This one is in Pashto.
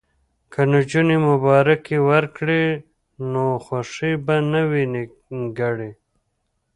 که نجونې مبارکي ورکړي نو خوښي به نه وي نیمګړې.